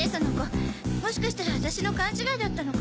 もしかしたら私の勘違いだったのかも。